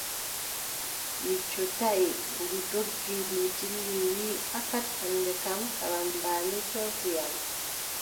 Wicco taʼi, ndu doggi, ndu dilli, wii : fakat hannde kam, karambaani torri am.